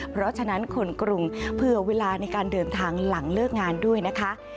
เพราะฉะนั้นคนกรุงเผื่อเวลาในการเดินทางหลังเลิกงานด้วยนะคะ